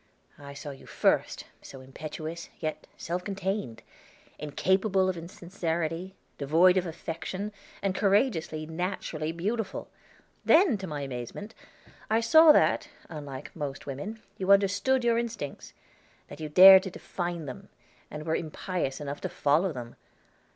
I saw you first, so impetuous, yet self contained! Incapable of insincerity, devoid of affection and courageously naturally beautiful. Then, to my amazement, I saw that, unlike most women, you understood your instincts; that you dared to define them, and were impious enough to follow them.